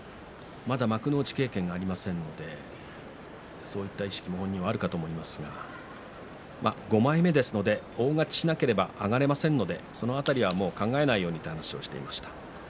まだ幕内経験がありませんのでそういった意識も大切だと思いますが５枚目ですので大勝ちしなければ上がれませんのでその辺りは考えないようにという話をしていました。